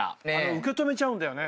受け止めちゃうんだよね。